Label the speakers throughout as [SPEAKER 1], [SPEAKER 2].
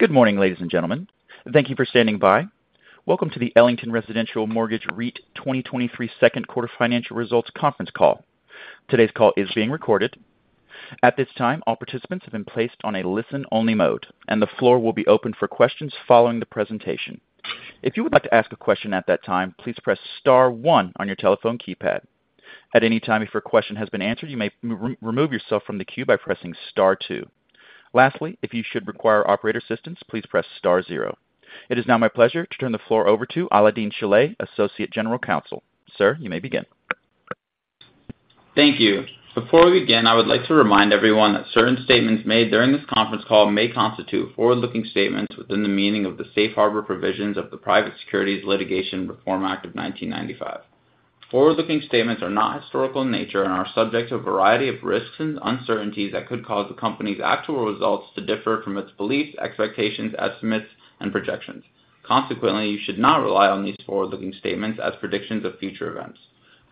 [SPEAKER 1] Good morning, ladies and gentlemen. Thank you for standing by. Welcome to the Ellington Residential Mortgage REIT 2023 second quarter financial results conference call. Today's call is being recorded. At this time, all participants have been placed on a listen-only mode, and the floor will be open for questions following the presentation. If you would like to ask a question at that time, please press star one on your telephone keypad. At any time, if your question has been answered, you may re-remove yourself from the queue by pressing star two. Lastly, if you should require operator assistance, please press star zero. It is now my pleasure to turn the floor over to Alaael-Deen Shilleh, Associate General Counsel. Sir, you may begin.
[SPEAKER 2] Thank you. Before we begin, I would like to remind everyone that certain statements made during this conference call may constitute forward-looking statements within the meaning of the Safe Harbor provisions of the Private Securities Litigation Reform Act of 1995. Forward-looking statements are not historical in nature and are subject to a variety of risks and uncertainties that could cause the company's actual results to differ from its beliefs, expectations, estimates, and projections. Consequently, you should not rely on these forward-looking statements as predictions of future events.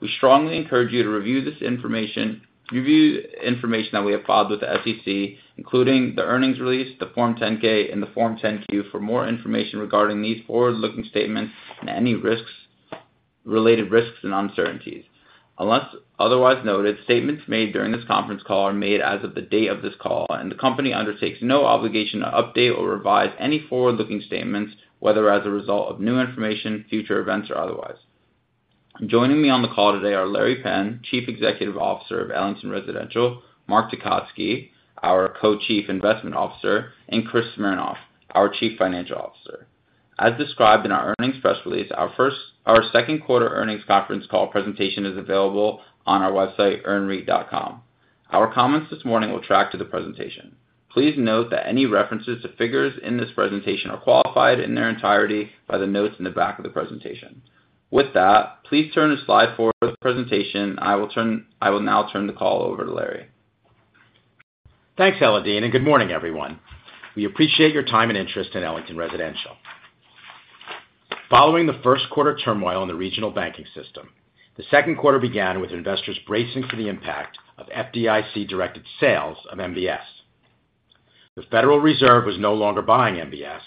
[SPEAKER 2] We strongly encourage you to review information that we have filed with the SEC, including the earnings release, the Form 10-K, and the Form 10-Q for more information regarding these forward-looking statements and any risks, related risks and uncertainties. Unless otherwise noted, statements made during this conference call are made as of the date of this call, and the company undertakes no obligation to update or revise any forward-looking statements, whether as a result of new information, future events, or otherwise. Joining me on the call today are Larry Penn, Chief Executive Officer of Ellington Residential, Mark Tecotzky, our Co-Chief Investment Officer, and Chris Smernoff, our Chief Financial Officer. As described in our earnings press release, our second quarter earnings conference call presentation is available on our website, earnreit.com. Our comments this morning will track to the presentation. Please note that any references to figures in this presentation are qualified in their entirety by the notes in the back of the presentation. With that, please turn to slide four for the presentation. I will now turn the call over to Larry.
[SPEAKER 3] Thanks, Alaael-Deen. Good morning, everyone. We appreciate your time and interest in Ellington Residential. Following the first quarter turmoil in the regional banking system, the second quarter began with investors bracing for the impact of FDIC-directed sales of MBS. The Federal Reserve was no longer buying MBS.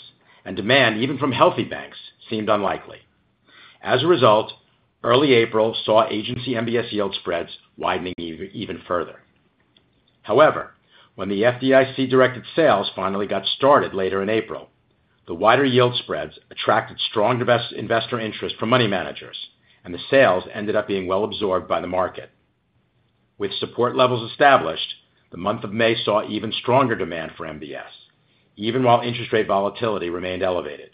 [SPEAKER 3] Demand, even from healthy banks, seemed unlikely. As a result, early April saw agency MBS yield spreads widening even further. However, when the FDIC-directed sales finally got started later in April, the wider yield spreads attracted strong investor interest from money managers, the sales ended up being well absorbed by the market. With support levels established, the month of May saw even stronger demand for MBS, even while interest rate volatility remained elevated.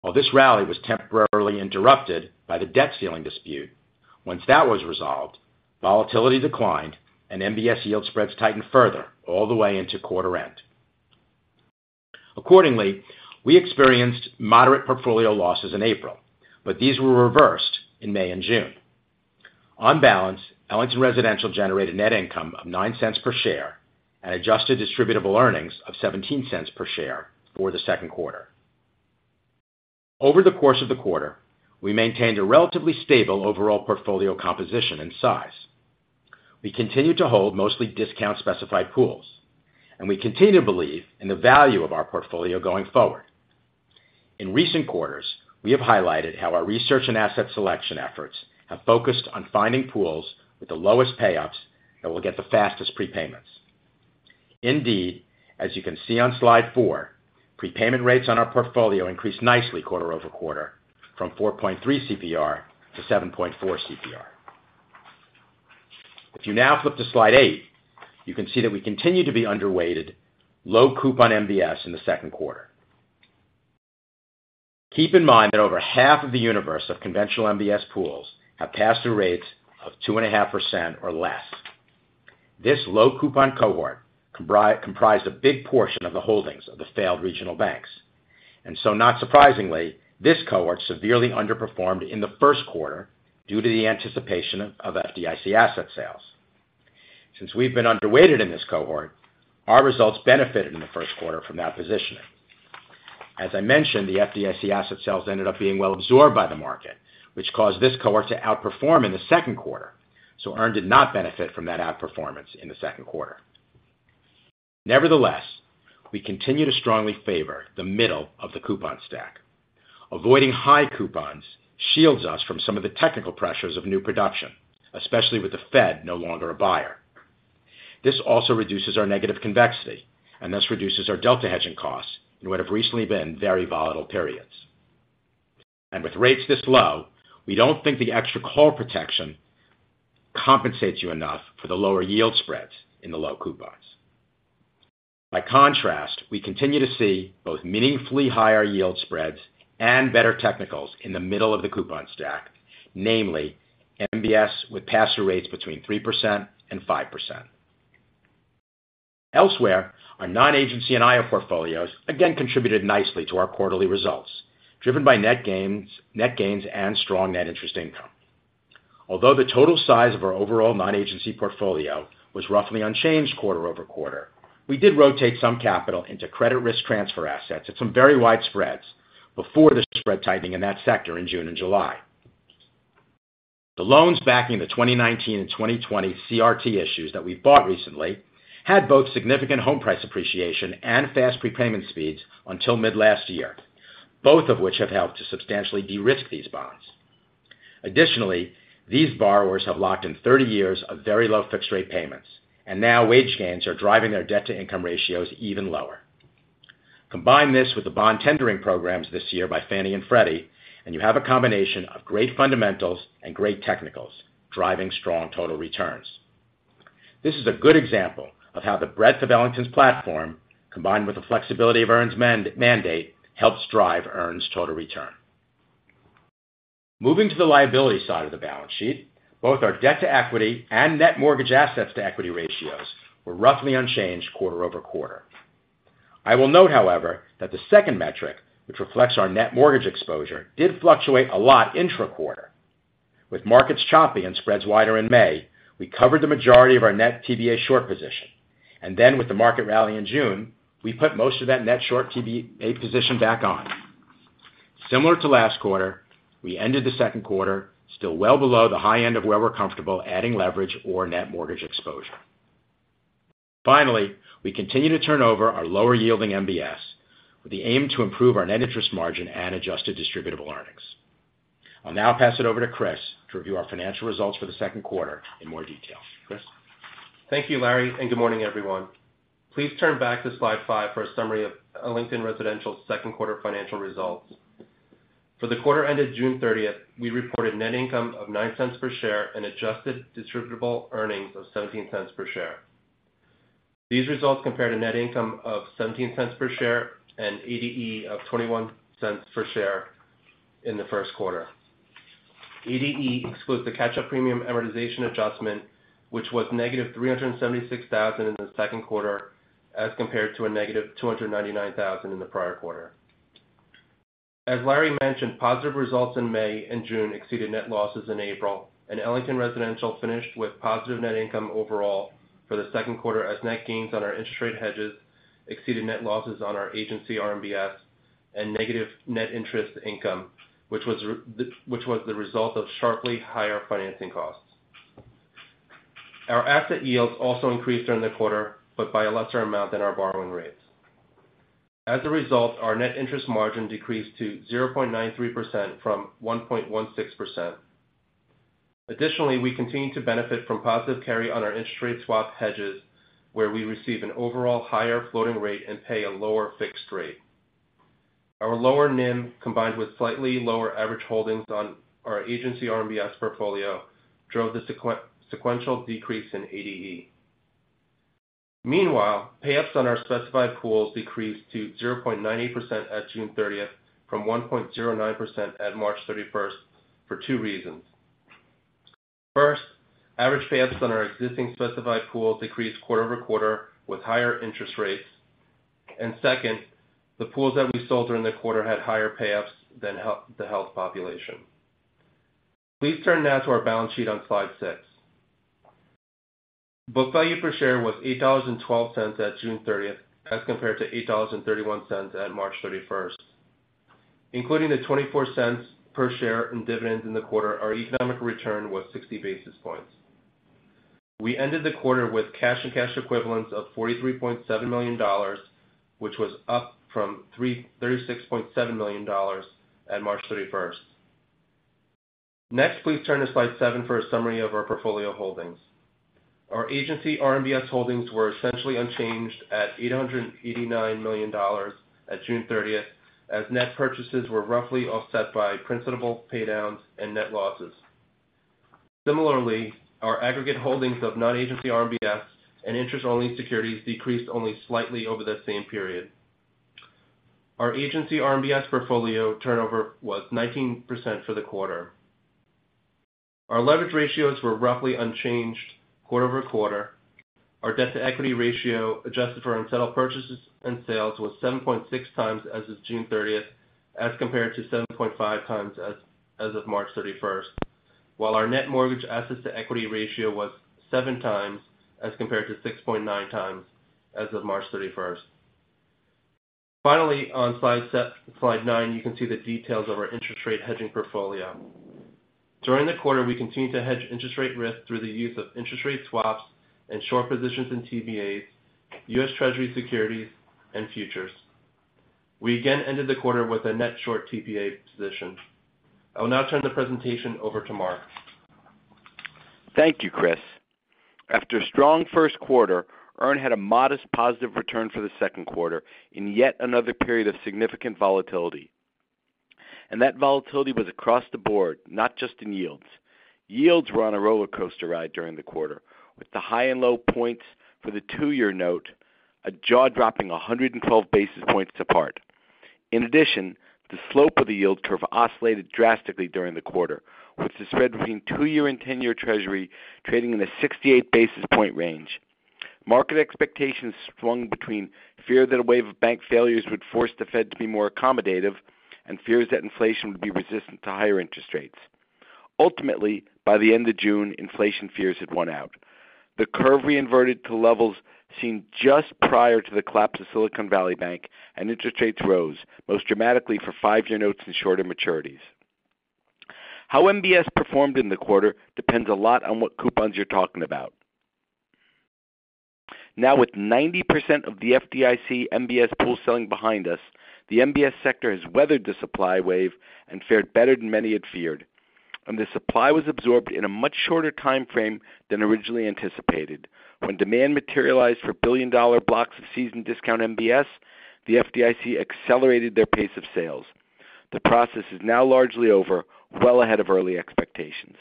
[SPEAKER 3] While this rally was temporarily interrupted by the debt ceiling dispute, once that was resolved, volatility declined and MBS yield spreads tightened further, all the way into quarter end. Accordingly, we experienced moderate portfolio losses in April, but these were reversed in May and June. On balance, Ellington Residential generated net income of $0.09 per share and adjusted Distributable Earnings of $0.17 per share for the second quarter. Over the course of the quarter, we maintained a relatively stable overall portfolio composition and size. We continued to hold mostly Discount Specified Pools, and we continue to believe in the value of our portfolio going forward. In recent quarters, we have highlighted how our research and asset selection efforts have focused on finding pools with the lowest Payups that will get the fastest prepayments. Indeed, as you can see on slide 4, prepayment rates on our portfolio increased nicely quarter-over-quarter from 4.3 CPR to 7.4 CPR. You now flip to slide 8, you can see that we continue to be underrated low-coupon MBS in the second quarter. Keep in mind that over half of the universe of conventional MBS pools have Pass-Through rates of 2.5% or less. This low-coupon cohort comprised a big portion of the holdings of the failed regional banks. Not surprisingly, this cohort severely underperformed in the first quarter due to the anticipation of FDIC asset sales. We've been underrated in this cohort, our results benefited in the first quarter from that positioning. As I mentioned, the FDIC asset sales ended up being well absorbed by the market, which caused this cohort to outperform in the second quarter. EARN did not benefit from that outperformance in the second quarter. Nevertheless, we continue to strongly favor the middle of the coupon stack. Avoiding high coupons shields us from some of the technical pressures of new production, especially with the Fed no longer a buyer. This also reduces our negative convexity and thus reduces our delta hedging costs in what have recently been very volatile periods. With rates this low, we don't think the extra call protection compensates you enough for the lower yield spreads in the low coupons. By contrast, we continue to see both meaningfully higher yield spreads and better technicals in the middle of the coupon stack, namely MBS, with pass-through rates between 3% and 5%. Elsewhere, our non-agency and IO portfolios again contributed nicely to our quarterly results, driven by net gains, net gains, and strong net interest income. Although the total size of our overall non-agency portfolio was roughly unchanged quarter-over-quarter, we did rotate some capital into credit risk transfer assets at some very wide spreads before the spread tightening in that sector in June and July. The loans backing the 2019 and 2020 CRT issues that we've bought recently had both significant home price appreciation and fast prepayment speeds until mid-last year, both of which have helped to substantially de-risk these bonds. Additionally, these borrowers have locked in 30 years of very low fixed-rate payments, and now wage gains are driving their debt-to-income ratios even lower. Combine this with the bond tendering programs this year by Fannie and Freddie, you have a combination of great fundamentals and great technicals, driving strong total returns. This is a good example of how the breadth of Ellington's platform, combined with the flexibility of EARN's mandate, helps drive EARN's total return. Moving to the liability side of the balance sheet, both our Debt-to-Equity and Net Mortgage Assets to Equity ratios were roughly unchanged quarter-over-quarter. I will note, however, that the second metric, which reflects our net mortgage exposure, did fluctuate a lot intra-quarter. With markets choppy and spreads wider in May, we covered the majority of our net TBA short position, then with the market rally in June, we put most of that net short TBA position back on. Similar to last quarter, we ended the second quarter still well below the high end of where we're comfortable adding leverage or net mortgage exposure. Finally, we continue to turn over our lower-yielding MBS with the aim to improve our net interest margin and adjusted distributable earnings. I'll now pass it over to Chris to review our financial results for the second quarter in more detail. Chris?
[SPEAKER 4] Thank you, Larry, and good morning, everyone. Please turn back to slide five for a summary of Ellington Residential's second quarter financial results. For the quarter ended June 30th, we reported net income of $0.09 per share and adjusted Distributable Earnings of $0.17 per share. These results compare to net income of $0.17 per share and ADE of $0.21 per share in the first quarter. ADE excludes the catch-up premium amortization adjustment, which was negative $376,000 in the second quarter, as compared to a negative $299,000 in the prior quarter. As Larry mentioned, positive results in May and June exceeded net losses in April. Ellington Residential finished with positive net income overall for the second quarter, as net gains on our interest rate hedges exceeded net losses on our Agency RMBS and negative Net Interest Income, which was the result of sharply higher financing costs. Our asset yields also increased during the quarter, but by a lesser amount than our borrowing rates. As a result, our Net Interest Margin decreased to 0.93% from 1.16%. Additionally, we continue to benefit from positive carry on our Interest Rate Swap hedges, where we receive an overall higher floating rate and pay a lower fixed rate. Our lower NIM, combined with slightly lower average holdings on our Agency RMBS portfolio, drove the sequential decrease in ADE. Meanwhile, payoffs on our Specified Pool decreased to 0.98% at June 30th from 1.09% at March 31st, for two reasons. First, average payoffs on our existing Specified Pool decreased quarter-over-quarter with higher interest rates. Second, the pools that we sold during the quarter had higher payoffs than the health population. Please turn now to our balance sheet on slide six. Book Value per Share was $8.12 at June 30th, as compared to $8.31 at March 31st. Including the $0.24 per share in dividends in the quarter, our economic return was 60 basis points. We ended the quarter with cash and cash equivalents of $43.7 million, which was up from $36.7 million at March 31st. Next, please turn to slide seven for a summary of our portfolio holdings. Our Agency RMBS holdings were essentially unchanged at $889 million at June 30th, as net purchases were roughly offset by principal paydowns and net losses. Similarly, our aggregate holdings of Non-Agency RMBS and Interest-Only Securities decreased only slightly over that same period. Our Agency RMBS portfolio turnover was 19% for the quarter. Our leverage ratios were roughly unchanged quarter-over-quarter. Our Debt-to-Equity Ratio, adjusted for unsettled purchases and sales, was 7.6 times as of June 30th as compared to 7.5 times as of March 31st. While our Net Mortgage Assets to Equity Ratio was seven times as compared to 6.9 times as of March 31st. Finally, on slide nine, you can see the details of our interest rate hedging portfolio. During the quarter, we continued to hedge interest rate risk through the use of interest rate swaps and short positions in TBAs, U.S. Treasury securities, and futures. We again ended the quarter with a net short TBA position. I will now turn the presentation over to Mark.
[SPEAKER 5] Thank you, Chris. After a strong first quarter, EARN had a modest positive return for the second quarter in yet another period of significant volatility. That volatility was across the board, not just in yields. Yields were on a roller coaster ride during the quarter, with the high and low points for the two-year note, a jaw-dropping 112 basis points apart. In addition, the slope of the yield curve oscillated drastically during the quarter, with the spread between two-year and ten-year Treasury trading in a 68 basis point range. Market expectations swung between fear that a wave of bank failures would force the Fed to be more accommodative and fears that inflation would be resistant to higher interest rates. Ultimately, by the end of June, inflation fears had won out the curve re-inverted to levels seen just prior to the collapse of Silicon Valley Bank. Interest rates rose most dramatically for 5-year notes and shorter maturities. How MBS performed in the quarter depends a lot on what coupons you're talking about. Now, with 90% of the FDIC MBS pool selling behind us, the MBS sector has weathered the supply wave and fared better than many had feared. The supply was absorbed in a much shorter time frame than originally anticipated. When demand materialized for billion-dollar blocks of seasoned discount MBS, the FDIC accelerated their pace of sales. The process is now largely over, well ahead of early expectations.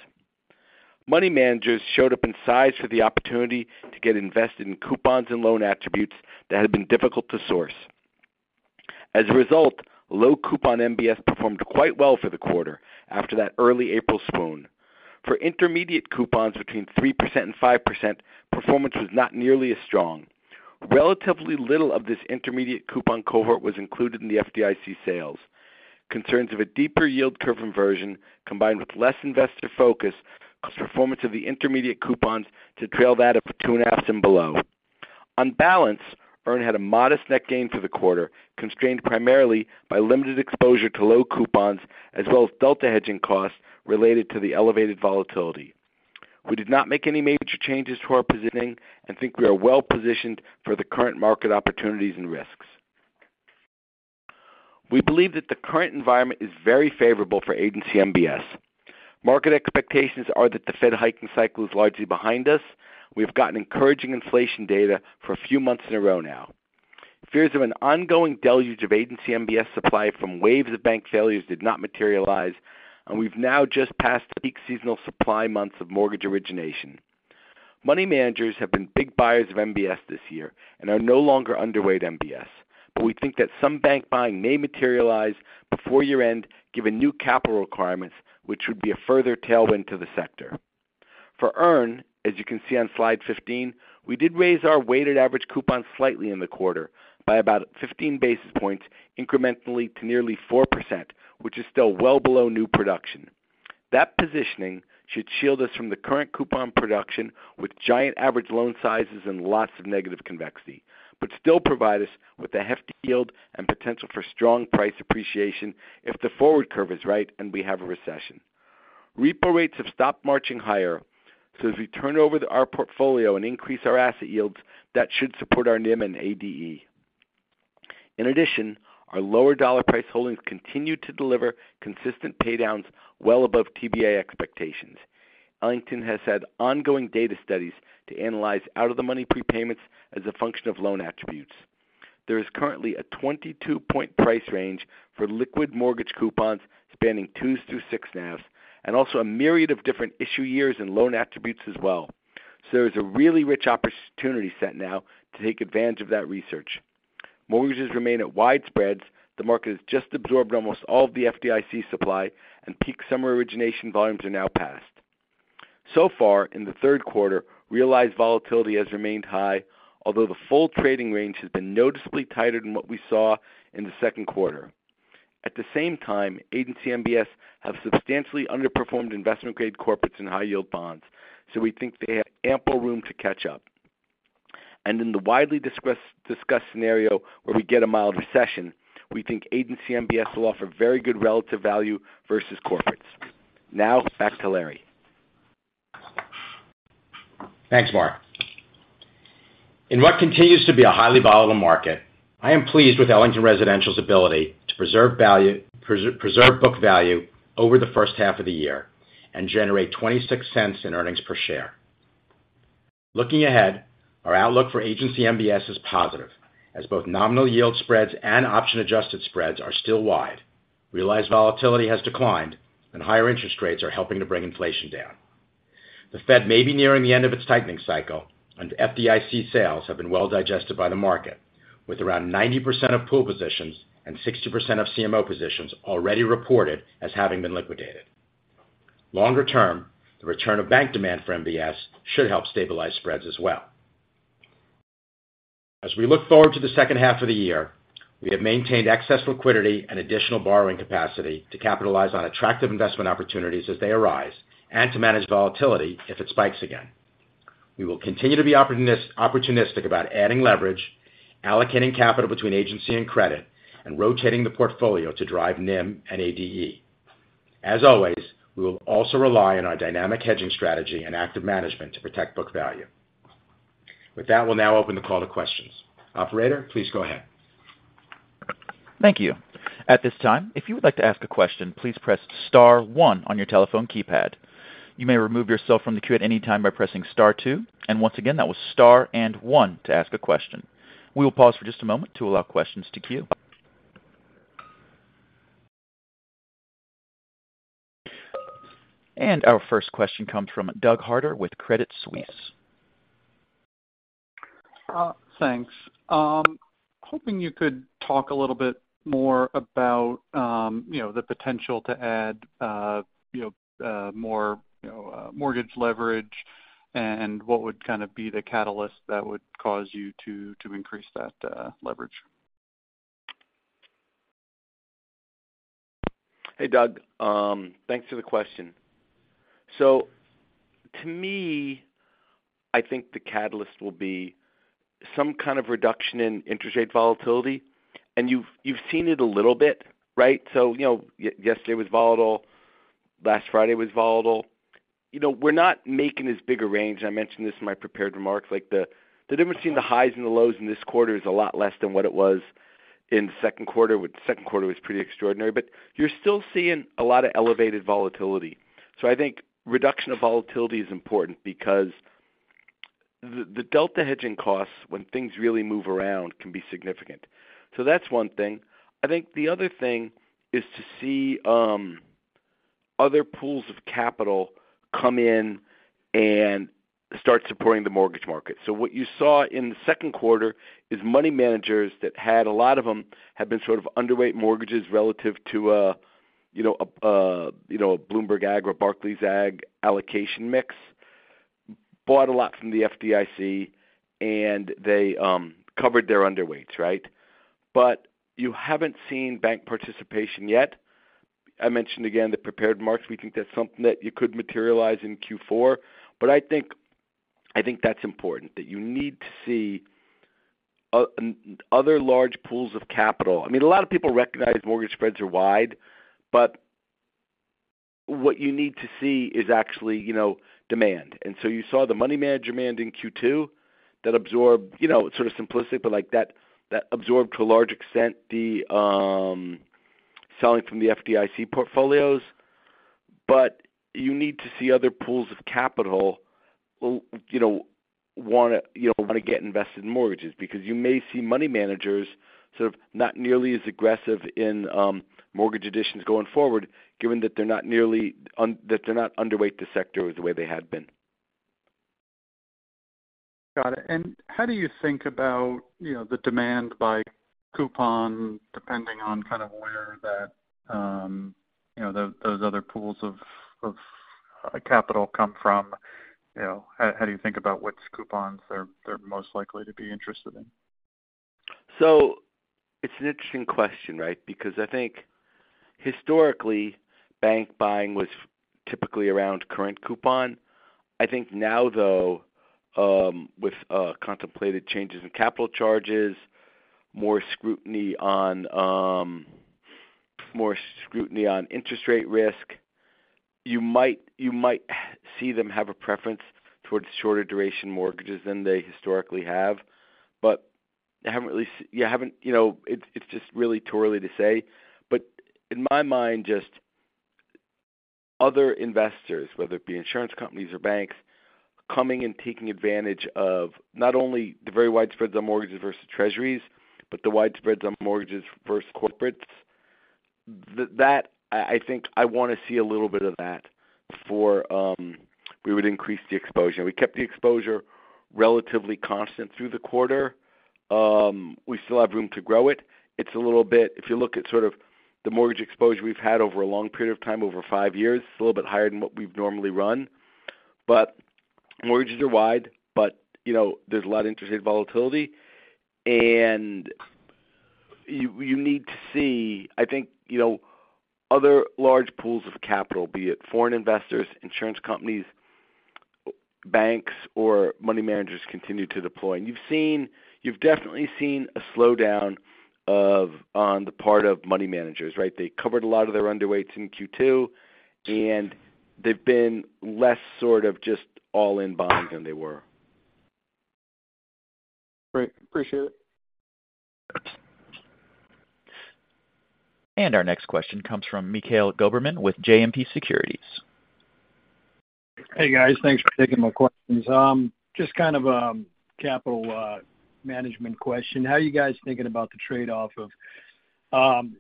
[SPEAKER 5] Money managers showed up in size for the opportunity to get invested in coupons and loan attributes that had been difficult to source. As a result, low coupon MBS performed quite well for the quarter after that early April swoon. For intermediate coupons between 3% and 5%, performance was not nearly as strong. Relatively little of this intermediate coupon cohort was included in the FDIC sales. Concerns of a deeper yield curve inversion, combined with less investor focus, caused performance of the intermediate coupons to trail that of the 2.5s and below. On balance, EARN had a modest net gain for the quarter, constrained primarily by limited exposure to low coupons, as well as Delta Hedging costs related to the elevated volatility. We did not make any major changes to our positioning and think we are well positioned for the current market opportunities and risks. We believe that the current environment is very favorable for Agency MBS. Market expectations are that the Fed hiking cycle is largely behind us. We've gotten encouraging inflation data for a few months in a row now. Fears of an ongoing deluge of agency MBS supply from waves of bank failures did not materialize, and we've now just passed the peak seasonal supply months of mortgage origination. Money managers have been big buyers of MBS this year and are no longer underweight MBS, but we think that some bank buying may materialize before year-end, given new capital requirements, which would be a further tailwind to the sector. For EARN, as you can see on slide 15, we did raise our weighted average coupon slightly in the quarter by about 15 basis points incrementally to nearly 4%, which is still well below new production. That positioning should shield us from the current coupon production, with giant average loan sizes and lots of negative convexity, but still provide us with a hefty yield and potential for strong price appreciation if the forward curve is right and we have a recession. Repo rates have stopped marching higher, so as we turn over our portfolio and increase our asset yields, that should support our NIM and ADE. In addition, our lower dollar price holdings continue to deliver consistent paydowns well above TBA expectations. Ellington has had ongoing data studies to analyze out-of-the-money prepayments as a function of loan attributes. There is currently a 22-point price range for liquid mortgage coupons spanning 2s through six NAVs, and also a myriad of different issue years and loan attributes as well. There is a really rich opportunity set now to take advantage of that research. Mortgages remain at wide spreads. The market has just absorbed almost all of the FDIC supply, peak summer origination volumes are now past. So far, in the third quarter, realized volatility has remained high, although the full trading range has been noticeably tighter than what we saw in the second quarter. At the same time, agency MBS have substantially underperformed investment-grade corporates and high-yield bonds, so we think they have ample room to catch up. In the widely discussed scenario where we get a mild recession, we think agency MBS will offer very good relative value versus corporates. Back to Larry.
[SPEAKER 3] Thanks, Mark. In what continues to be a highly volatile market, I am pleased with Ellington Residential's ability to preserve book value over the first half of the year and generate $0.26 in earnings per share. Looking ahead, our outlook for Agency MBS is positive, as both nominal yield spreads and Option-Adjusted Spreads are still wide. Realized volatility has declined. Higher interest rates are helping to bring inflation down. The Fed may be nearing the end of its tightening cycle. FDIC sales have been well digested by the market, with around 90% of pool positions and 60% of CMO positions already reported as having been liquidated. Longer term, the return of bank demand for MBS should help stabilize spreads as well. As we look forward to the second half of the year, we have maintained excess liquidity and additional borrowing capacity to capitalize on attractive investment opportunities as they arise and to manage volatility if it spikes again. We will continue to be opportunistic about adding leverage, allocating capital between agency and credit, and rotating the portfolio to drive NIM and ADE. As always, we will also rely on our dynamic hedging strategy and active management to protect book value. With that, we'll now open the call to questions. Operator, please go ahead.
[SPEAKER 1] Thank you. At this time, if you would like to ask a question, please press star one on your telephone keypad. You may remove yourself from the queue at any time by pressing star two. Once again, that was star and one to ask a question. We will pause for just a moment to allow questions to queue. Our first question comes from Doug Harter with Credit Suisse.
[SPEAKER 6] Thanks. Hoping you could talk a little bit more about, you know, the potential to add, you know, more, you know, mortgage leverage and what would kind of be the catalyst that would cause you to, to increase that leverage?
[SPEAKER 5] Hey, Doug, thanks for the question. To me, I think the catalyst will be some kind of reduction in interest rate volatility, and you've, you've seen it a little bit, right? You know, yesterday was volatile, last Friday was volatile. You know, we're not making as big a range. I mentioned this in my prepared remarks. Like, the difference between the highs and the lows in this quarter is a lot less than what it was in the second quarter, which the second quarter was pretty extraordinary. You're still seeing a lot of elevated volatility. I think reduction of volatility is important because the delta hedging costs, when things really move around, can be significant. That's one thing. I think the other thing is to see other pools of capital come in and start supporting the mortgage market. What you saw in the second quarter is money managers that had a lot of them, had been sort of underweight mortgages relative to, you know, a, you know, a Bloomberg Ag or Barclays Ag allocation mix, bought a lot from the FDIC. They covered their underweights, right? You haven't seen bank participation yet. I mentioned again, the prepared marks. We think that's something that you could materialize in Q4. I think, I think that's important, that you need to see other large pools of capital. I mean, a lot of people recognize mortgage spreads are wide, but what you need to see is actually, you know, demand. You saw the money manager demand in Q2 that absorbed, you know, sort of simplistic, but like that, that absorbed to a large extent, the selling from the FDIC portfolios. You need to see other pools of capital, you know, want to, you know, want to get invested in mortgages, because you may see money managers sort of not nearly as aggressive in mortgage additions going forward, given that they're not nearly that they're not underweight the sector the way they had been.
[SPEAKER 6] Got it. How do you think about, you know, the demand by coupon, depending on kind of where that, you know, those other pools of, of capital come from? You know, how, how do you think about which coupons they're, they're most likely to be interested in?
[SPEAKER 5] It's an interesting question, right? Because I think historically, bank buying was typically around current coupon. I think now, though, with contemplated changes in capital charges, more scrutiny on more scrutiny on interest rate risk, you might, you might see them have a preference towards shorter duration mortgages than they historically have. I haven't really yeah, I haven't, you know. It's just really too early to say. In my mind, just other investors, whether it be insurance companies or banks, coming and taking advantage of not only the very wide spreads on mortgages versus Treasuries, but the wide spreads on mortgages versus corporates. That I, I think I want to see a little bit of that before we would increase the exposure. We kept the exposure relatively constant through the quarter. We still have room to grow it. It's a little bit, if you look at sort of the mortgage exposure we've had over a long period of time, over five years, it's a little bit higher than what we've normally run. Mortgages are wide, but, you know, there's a lot of interest rate volatility. You, you need to see, I think, you know, other large pools of capital, be it foreign investors, insurance companies, banks, or money managers, continue to deploy. You've definitely seen a slowdown of, on the part of money managers, right? They covered a lot of their underweights in Q2, and they've been less sort of just all in buying than they were.
[SPEAKER 6] Great. Appreciate it.
[SPEAKER 1] Our next question comes from Mikhail Goberman with JMP Securities.
[SPEAKER 7] Hey, guys, thanks for taking my questions. Just kind of, capital, management question: How are you guys thinking about the trade-off of,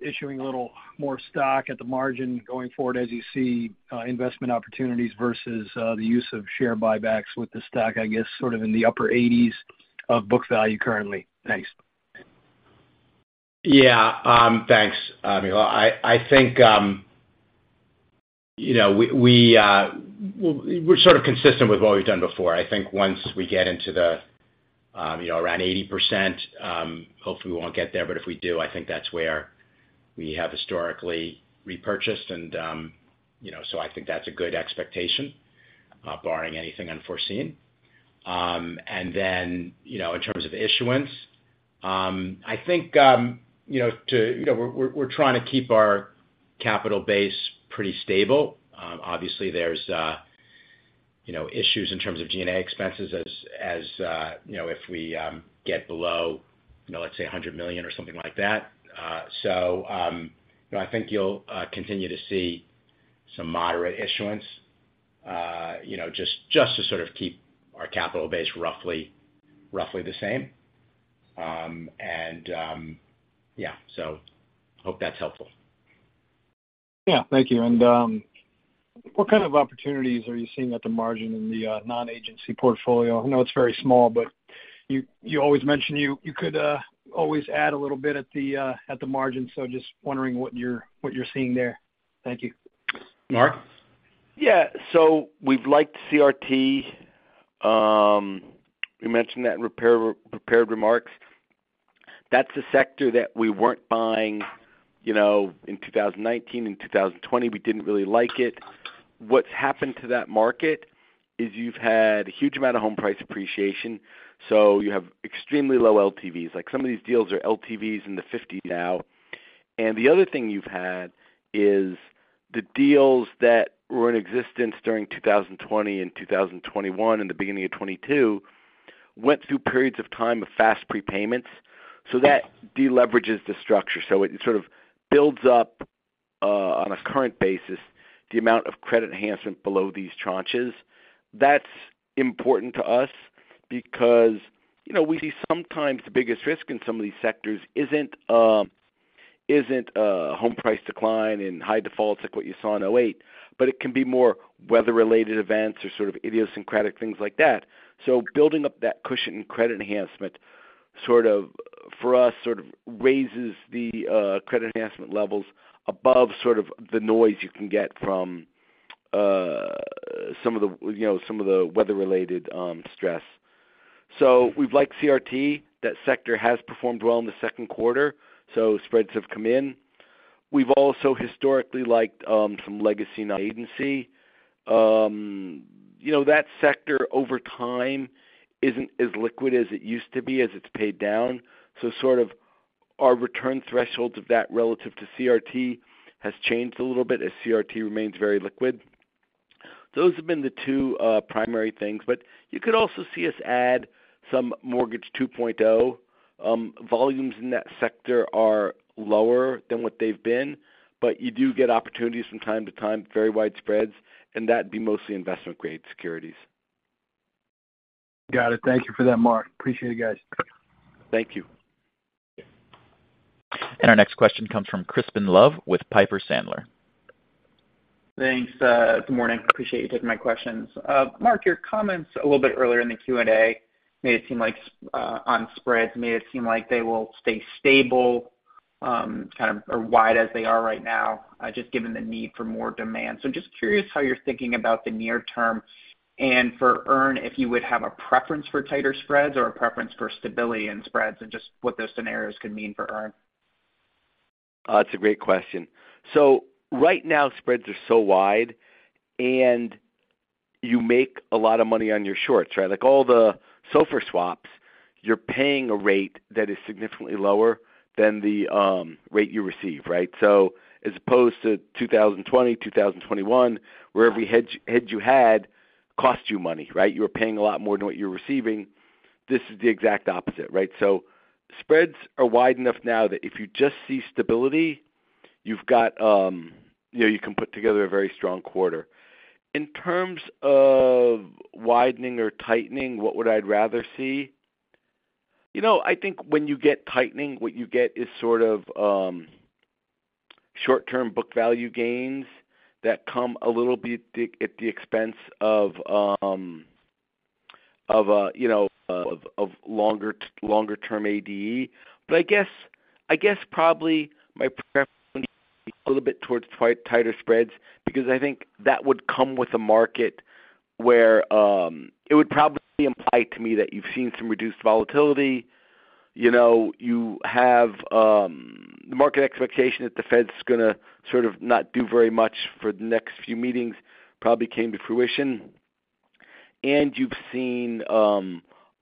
[SPEAKER 7] issuing a little more stock at the margin going forward as you see, investment opportunities versus, the use of share buybacks with the stock, I guess, sort of in the upper 80s of book value currently? Thanks.
[SPEAKER 3] Yeah, thanks, Mikhail. I, I think, you know, we, we, we're sort of consistent with what we've done before. I think once we get into the, you know, around 80%, hopefully, we won't get there, but if we do, I think that's where we have historically repurchased and, you know, I think that's a good expectation barring anything unforeseen. Then, you know, in terms of issuance, I think, you know, to, you know, we're, we're, we're trying to keep our capital base pretty stable. Obviously, there's, you know, issues in terms of G&A expenses as, as, you know, if we get below, you know, let's say $100 million or something like that. You know, I think you'll continue to see some moderate issuance, you know, just, just to sort of keep our capital base roughly, roughly the same. Yeah, so hope that's helpful.
[SPEAKER 7] Yeah, thank you. What kind of opportunities are you seeing at the margin in the non-agency portfolio? I know it's very small, but you, you always mention you, you could always add a little bit at the at the margin, so just wondering what you're, what you're seeing there. Thank you.
[SPEAKER 3] Mark?
[SPEAKER 5] Yeah. We've liked CRT. We mentioned that in prepared remarks. That's a sector that we weren't buying, you know, in 2019, in 2020. We didn't really like it. What's happened to that market is you've had a huge amount of home price appreciation, so you have extremely low LTVs. Like, some of these deals are LTVs in the 50 now. The other thing you've had is the deals that were in existence during 2020 and 2021, and the beginning of 2022, went through periods of time of fast prepayments, so that deleverages the structure. It sort of builds up, on a current basis, the amount of credit enhancement below these tranches. That's important to us because, you know, we see sometimes the biggest risk in some of these sectors isn't, isn't home price decline and high defaults like what you saw in '08, but it can be more weather-related events or sort of idiosyncratic things like that. Building up that cushion and credit enhancement, sort of, for us, sort of raises the credit enhancement levels above sort of the noise you can get from, some of the, you know, some of the weather-related, stress. We've liked CRT. That sector has performed well in the second quarter, so spreads have come in. We've also historically liked, some legacy agency. You know, that sector, over time, isn't as liquid as it used to be, as it's paid down. Sort of our return thresholds of that relative to CRT has changed a little bit, as CRT remains very liquid. Those have been the two primary things. You could also see us add some Mortgage 2.0. Volumes in that sector are lower than what they've been, but you do get opportunities from time to time, very wide spreads, and that'd be mostly Investment-Grade Securities.
[SPEAKER 7] Got it. Thank you for that, Mark. Appreciate it, guys.
[SPEAKER 5] Thank you.
[SPEAKER 1] Our next question comes from Crispin Love with Piper Sandler.
[SPEAKER 8] Thanks, good morning. Appreciate you taking my questions. Mark Tecotzky, your comments a little bit earlier in the Q&A made it seem like on spreads, made it seem like they will stay stable, kind of, or wide as they are right now, just given the need for more demand. Just curious how you're thinking about the near-term, and for EARN, if you would have a preference for tighter spreads or a preference for stability in spreads, and just what those scenarios could mean for EARN?
[SPEAKER 5] It's a great question. Right now, spreads are so wide, and you make a lot of money on your shorts, right? Like, all the SOFR swaps, you're paying a rate that is significantly lower than the rate you receive, right? As opposed to 2020, 2021, where every hedge you had cost you money, right? You were paying a lot more than what you were receiving. This is the exact opposite, right? Spreads are wide enough now that if you just see stability, you've got, you know, you can put together a very strong quarter. In terms of widening or tightening, what would I'd rather see? You know, I think when you get tightening, what you get is sort of, short-term Book Value gains that come a little bit at the, at the expense of, you know, of longer term ADE. I guess, I guess probably my preference a little bit towards tighter spreads, because I think that would come with a market where, it would probably imply to me that you've seen some reduced volatility. You know, you have, the market expectation that the Fed's gonna sort of not do very much for the next few meetings, probably came to fruition. You've seen,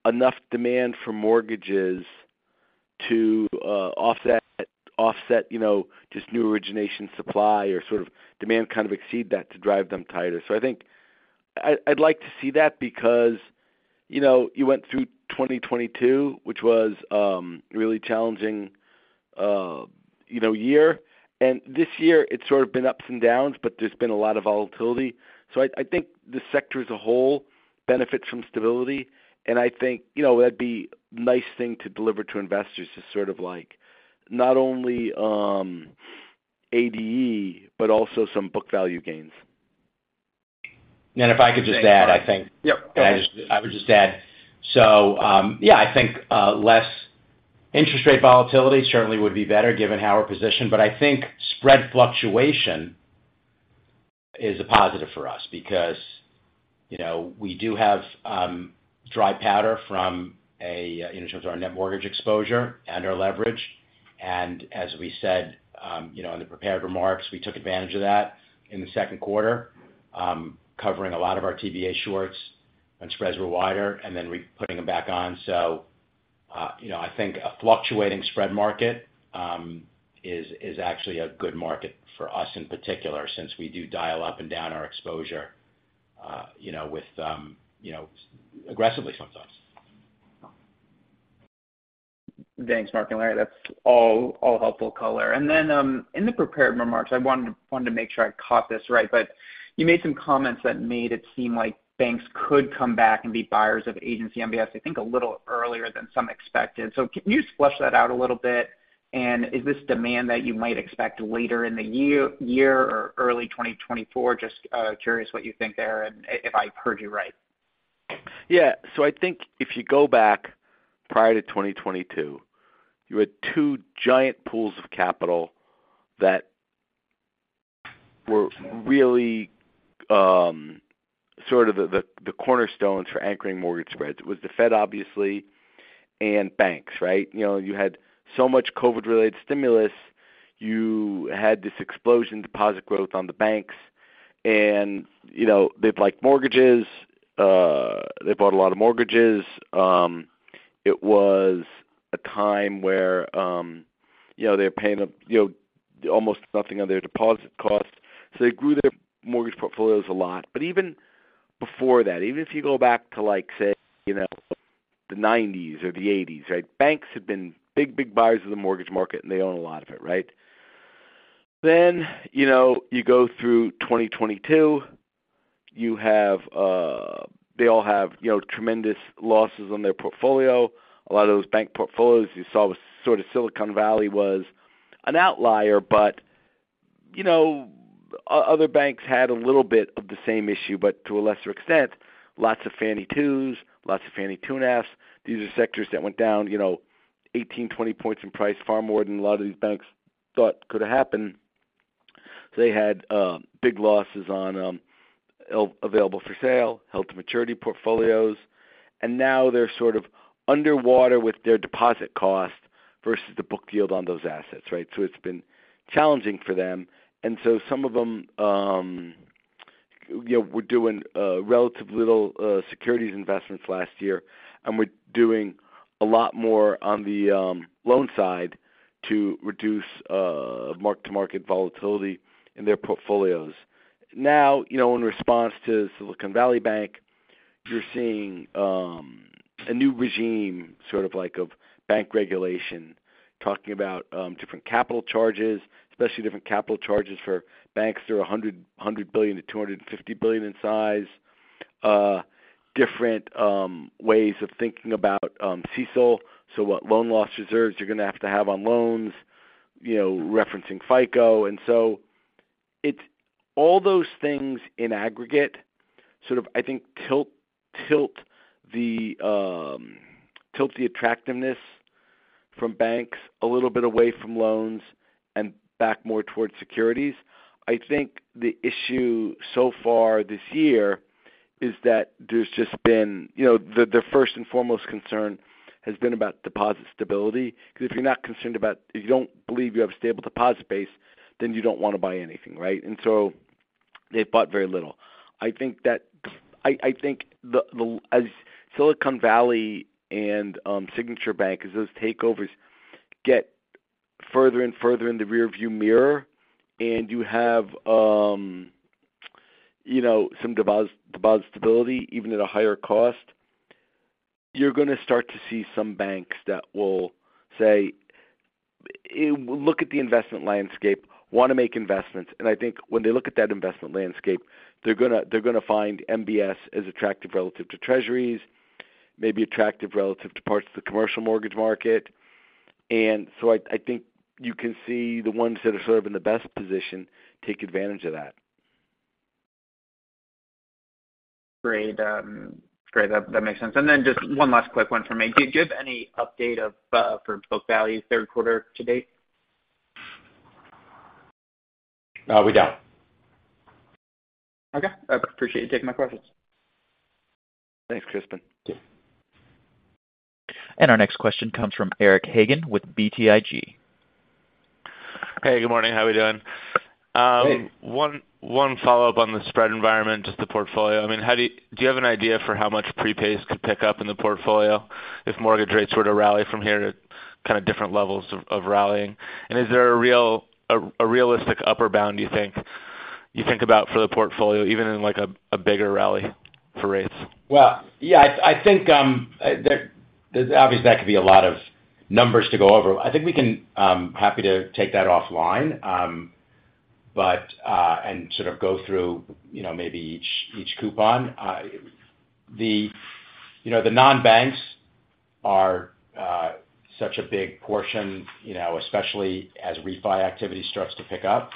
[SPEAKER 5] enough demand for mortgages to, offset, offset, you know, just new origination supply or sort of demand kind of exceed that to drive them tighter. I think I'd, I'd like to see that because, you know, you went through 2022, which was a really challenging, you know, year. This year it's sort of been ups and downs, but there's been a lot of volatility. I, I think the sector as a whole benefits from stability, and I think, you know, that'd be a nice thing to deliver to investors, is sort of like not only, ADE, but also some book value gains.
[SPEAKER 3] if I could just add, I think-
[SPEAKER 5] Yep, go ahead.
[SPEAKER 3] I would just add. Yeah, I think less interest rate volatility certainly would be better given how we're positioned, but I think spread fluctuation is a positive for us because, you know, we do have dry powder from a, in terms of our net mortgage exposure and our leverage. As we said, you know, in the prepared remarks, we took advantage of that in the second quarter, covering a lot of our TBA shorts when spreads were wider and then re-putting them back on. You know, I think a fluctuating spread market is actually a good market for us in particular, since we do dial up and down our exposure, you know, with, you know, aggressively sometimes.
[SPEAKER 8] Thanks, Mark and Larry. That's all, all helpful color. In the prepared remarks, I wanted to make sure I caught this right, but you made some comments that made it seem like banks could come back and be buyers of Agency MBS, I think, a little earlier than some expected. Can you flush that out a little bit? Is this demand that you might expect later in the year, year or early 2024? Just curious what you think there and if I heard you right.
[SPEAKER 5] Yeah. I think if you go back prior to 2022, you had two giant pools of capital that were really sort of the, the, the cornerstones for anchoring mortgage spreads. It was the Fed, obviously, and banks, right? You know, you had so much COVID-related stimulus, you had this explosion deposit growth on the banks and, you know, they'd like mortgages, they bought a lot of mortgages. It was a time where, you know, they're paying, you know, almost nothing on their deposit costs, so they grew their mortgage portfolios a lot. Even before that, even if you go back to like say, you know, the 90s or the 80s, right? Banks have been big, big buyers of the mortgage market, and they own a lot of it, right? You know, you go through 2022, you have, they all have, you know, tremendous losses on their portfolio. A lot of those bank portfolios you saw was sort of Silicon Valley was an outlier, but, you know, other banks had a little bit of the same issue, but to a lesser extent. Lots of Fannie 2s, lots of Fannie 2.5s. These are sectors that went down, you know, 18, 20 points in price, far more than a lot of these banks thought could have happened. They had big losses on Available for Sale, Held to Maturity portfolios, and now they're sort of underwater with their deposit cost versus the book yield on those assets, right? It's been challenging for them. Some of them, you know, were doing relatively little securities investments last year, and were doing a lot more on the loan side to reduce mark-to-market volatility in their portfolios. Now, you know, in response to Silicon Valley Bank, you're seeing a new regime, sort of like, of bank regulation, talking about different capital charges, especially different capital charges for banks that are $100 billion to $250 billion in size. Different ways of thinking about CECL. So what loan loss reserves you're gonna have to have on loans, you know, referencing FICO. It's all those things in aggregate, sort of, I think tilt, tilt the tilt the attractiveness from banks a little bit away from loans and back more towards securities. I think the issue so far this year is that there's just been-- you know, the, the first and foremost concern has been about deposit stability, because if you're not concerned about-- if you don't believe you have a stable deposit base, then you don't want to buy anything, right? So they've bought very little. I think I think as Silicon Valley and Signature Bank, as those takeovers get further and further in the rearview mirror, and you have, you know, some deposit stability, even at a higher cost, you're gonna start to see some banks that will say, "Look at the investment landscape, wanna make investments." I think when they look at that investment landscape, they're gonna find MBS as attractive relative to treasuries, maybe attractive relative to parts of the commercial mortgage market. So I think you can see the ones that are sort of in the best position take advantage of that.
[SPEAKER 8] Great. Great. That, that makes sense. Then just one last quick one for me. Do you have any update of, for Book Value's third quarter to date?
[SPEAKER 3] We don't.
[SPEAKER 8] Okay. I appreciate you taking my questions.
[SPEAKER 3] Thanks, Crispin.
[SPEAKER 1] Our next question comes from Eric Hagen with BTIG.
[SPEAKER 9] Hey, good morning. How we doing?
[SPEAKER 3] Hey.
[SPEAKER 9] One, one follow-up on the spread environment, just the portfolio. I mean, how do you have an idea for how much prepays could pick up in the portfolio if mortgage rates were to rally from here to kind of different levels of, of rallying? Is there a realistic upper bound, do you think, you think about for the portfolio, even in like a, a bigger rally for rates?
[SPEAKER 3] Well, yeah, I, I think, obviously, that could be a lot of numbers to go over. I think we can, happy to take that offline, but sort of go through, you know, maybe each, each coupon. The, you know, the non-banks are such a big portion, you know, especially as refi activity starts to pick up,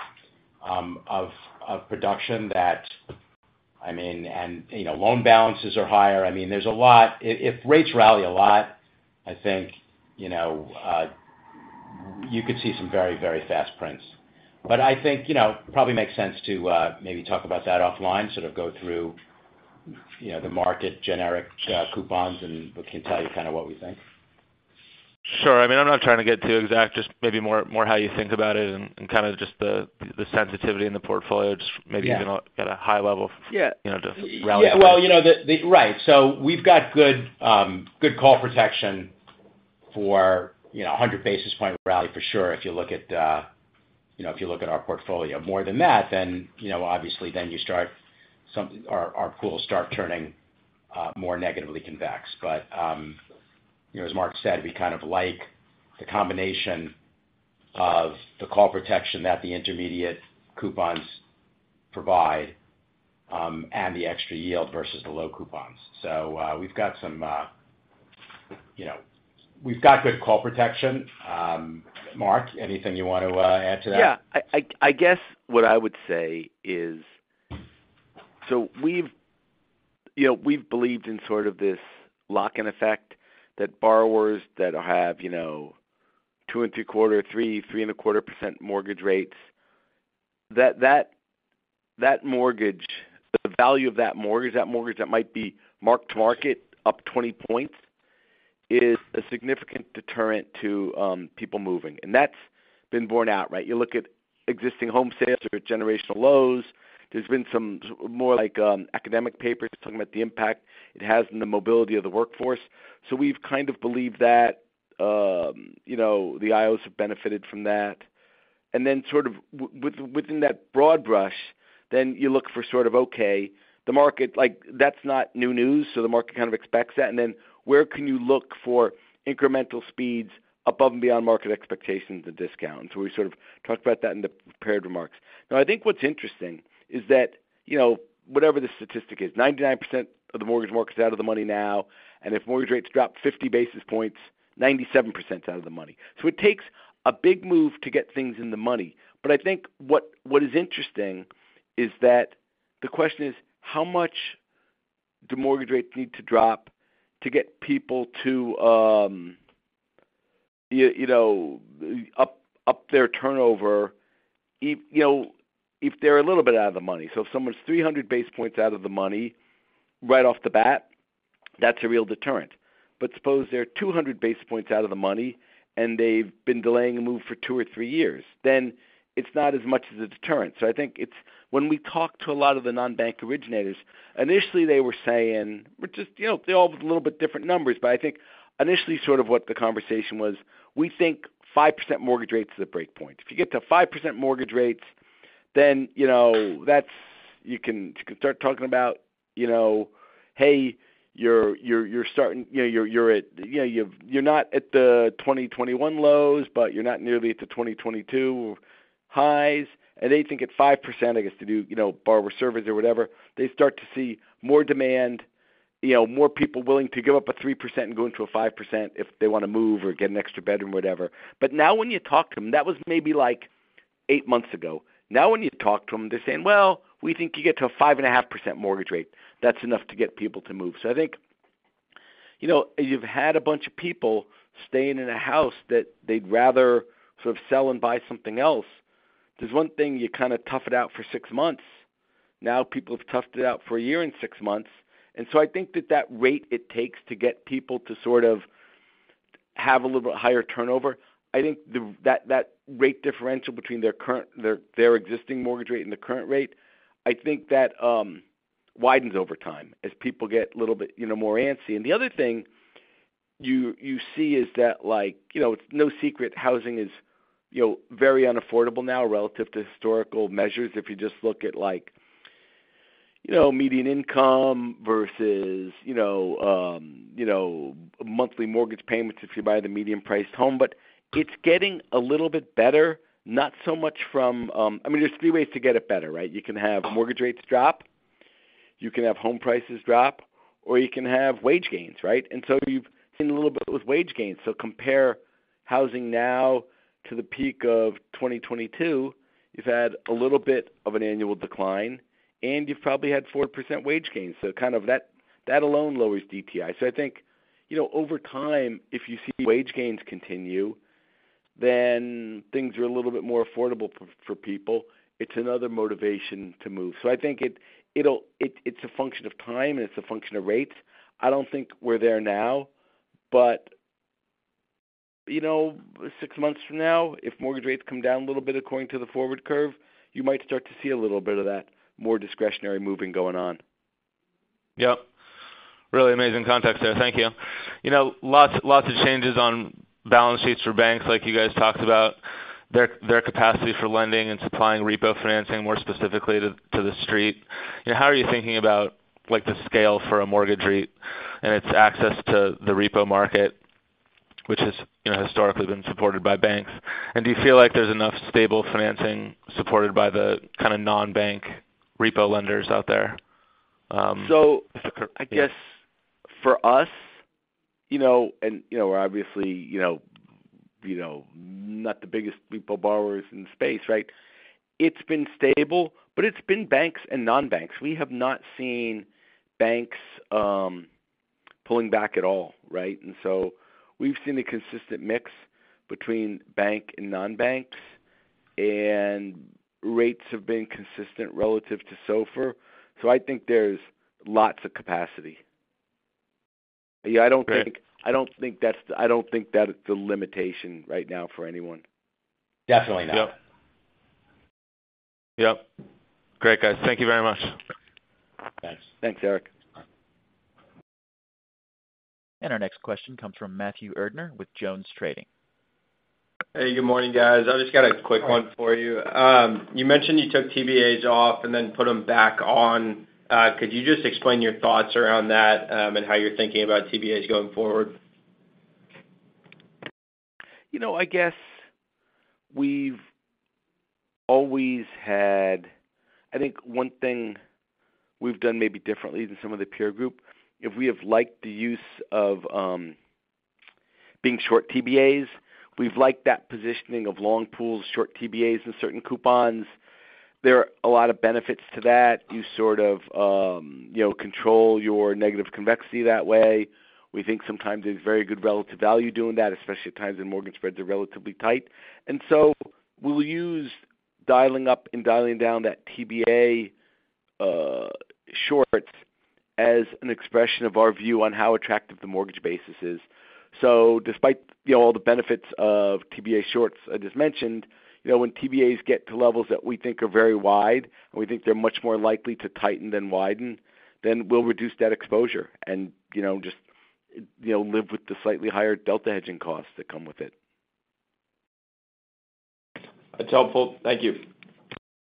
[SPEAKER 3] of production that I mean, and, you know, loan balances are higher. I mean, there's a lot. If, if rates rally a lot, I think, you know, you could see some very, very fast prints. I think, you know, it probably makes sense to maybe talk about that offline, sort of go through, you know, the market generic coupons, and we can tell you kind of what we think.
[SPEAKER 9] Sure. I mean, I'm not trying to get too exact, just maybe more, more how you think about it and, and kind of just the, the sensitivity in the portfolio. Just maybe-
[SPEAKER 3] Yeah.
[SPEAKER 9] even at a high level.
[SPEAKER 3] Yeah.
[SPEAKER 9] You know, just rally.
[SPEAKER 3] Yeah. Well, you know, the, the. Right. We've got good call protection for, you know, 100 basis point rally for sure if you look at, you know, if you look at our portfolio. More than that, then, you know, obviously, then you start our pools start turning more negatively convex. You know, as Mark said, we kind of like the combination of the call protection that the intermediate coupons provide and the extra yield versus the low coupons. We've got some, you know, we've got good call protection. Mark, anything you want to add to that?
[SPEAKER 5] Yeah. I guess what I would say is... We've, you know, we've believed in sort of this Lock-In Effect, that borrowers that have, you know, 2.75, 3, 3.25% mortgage rates, that, that, that mortgage, the value of that mortgage, that mortgage that might be marked to market up 20 points, is a significant deterrent to people moving. That's been borne out, right? You look at existing home sales are at generational lows. There's been some more like academic papers talking about the impact it has on the mobility of the workforce. We've kind of believed that, you know, the IOs have benefited from that. Then sort of within that broad brush, then you look for sort of, okay, the market, like, that's not new news, so the market kind of expects that. Then where can you look for incremental speeds above and beyond market expectations and discounts? We sort of talked about that in the prepared remarks. I think what's interesting is that, you know, whatever the statistic is, 99% of the mortgage market is out of the money now, and if mortgage rates drop 50 basis points, 97% is out of the money. It takes a big move to get things in the money. I think what, what is interesting is that the question is, how much do mortgage rates need to drop to get people to, you know, up their turnover, you know, if they're a little bit out of the money? If someone's 300 basis points out of the money, right off the bat, that's a real deterrent. Suppose they're 200 basis points out of the money, and they've been delaying a move for two or three years, then it's not as much as a deterrent. I think it's when we talk to a lot of the non-bank originators, initially they were saying, which is, you know, they all have a little bit different numbers, but I think initially sort of what the conversation was, we think 5% mortgage rate is the breakpoint. If you get to 5% mortgage rates, then, you know, that's you can, you can start talking about, you know, hey, you're, you're, you're starting. You know, you're, you're at, yeah, you've, you're not at the 2021 lows, but you're not nearly at the 2022 highs. They think at 5%, I guess, to do, you know, borrower surveys or whatever, they start to see more demand, you know, more people willing to give up a 3% and go into a 5% if they want to move or get an extra bedroom, whatever. Now when you talk to them, that was maybe, like, eight months ago. When you talk to them, they're saying, "Well, we think you get to a 5.5% mortgage rate. That's enough to get people to move." I think, you know, you've had a bunch of people staying in a house that they'd rather sort of sell and buy something else. There's one thing, you kind of tough it out for six months. Now, people have toughed it out for one year and six months. I think that that rate it takes to get people to sort of have a little bit higher turnover, I think the, that, that rate differential between their, their existing mortgage rate and the current rate, I think that widens over time as people get a little bit, you know, more antsy. The other thing you, you see is that, like, you know, it's no secret housing is, you know, very unaffordable now relative to historical measures. If you just look at like, you know, median income versus, you know, monthly mortgage payments if you buy the median-priced home. It's getting a little bit better, not so much from, I mean, there's three ways to get it better, right? You can have mortgage rates drop, you can have home prices drop, or you can have wage gains, right? You've seen a little bit with wage gains. Compare housing now to the peak of 2022, you've had a little bit of an annual decline, and you've probably had 4% wage gains. Kind of that, that alone lowers DTI. I think, you know, over time, if you see wage gains continue, then things are a little bit more affordable for, for people. It's another motivation to move. I think it, it's, it's a function of time, and it's a function of rates. I don't think we're there now, but, you know, six months from now, if mortgage rates come down a little bit according to the forward curve, you might start to see a little bit of that more discretionary moving going on.
[SPEAKER 9] Yep. Really amazing context there. Thank you. You know, lots, lots of changes on balance sheets for banks, like you guys talked about, their, their capacity for lending and supplying repo financing, more specifically to, to the street. You know, how are you thinking about, like, the scale for a mortgage REIT and its access to the repo market, which has, you know, historically been supported by banks? Do you feel like there's enough stable financing supported by the kind of non-bank repo lenders out there?
[SPEAKER 5] I guess for us, you know, and, you know, we're obviously, you know, you know, not the biggest repo borrowers in the space, right? It's been stable, but it's been banks and non-banks. We have not seen banks pulling back at all, right? We've seen a consistent mix between bank and non-banks, and rates have been consistent relative to SOFR. I think there's lots of capacity. Yeah, I don't think-
[SPEAKER 9] Great.
[SPEAKER 5] I don't think that's the-- I don't think that's the limitation right now for anyone.
[SPEAKER 9] Definitely not. Yep. Yep. Great, guys. Thank you very much.
[SPEAKER 5] Thanks.
[SPEAKER 9] Thanks, Eric.
[SPEAKER 1] Our next question comes from Matthew Erdner with Jones Trading.
[SPEAKER 10] Hey, good morning, guys. I've just got a quick one for you. You mentioned you took TBAs off and then put them back on. Could you just explain your thoughts around that, and how you're thinking about TBAs going forward?
[SPEAKER 5] You know, I guess we've always had-- I think one thing we've done maybe differently than some of the peer group, if we have liked the use of, being short TBAs, we've liked that positioning of long pools, short TBAs, and certain coupons. There are a lot of benefits to that. You sort of, you know, control your Negative Convexity that way. We think sometimes there's very good relative value doing that, especially at times when mortgage spreads are relatively tight. We'll use dialing up and dialing down that TBA shorts, as an expression of our view on how attractive the mortgage basis is. Despite, you know, all the benefits of TBA shorts I just mentioned, you know, when TBAs get to levels that we think are very wide, and we think they're much more likely to tighten than widen, then we'll reduce that exposure and, you know, just, you know, live with the slightly higher Delta Hedging costs that come with it.
[SPEAKER 10] That's helpful. Thank you.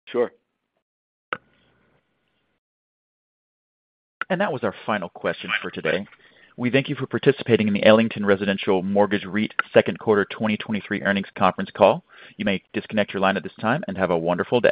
[SPEAKER 5] Sure.
[SPEAKER 1] That was our final question for today. We thank you for participating in the Ellington Residential Mortgage REIT second quarter 2023 earnings conference call. You may disconnect your line at this time, and have a wonderful day.